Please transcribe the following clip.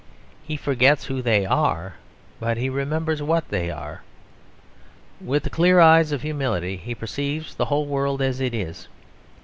He forgets who they are, but he remembers what they are. With the clear eyes of humility he perceives the whole world as it is.